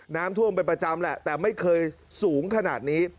น้ำท่วมเป็นประจำแหละแต่ไม่เคยสูงขนาดนี้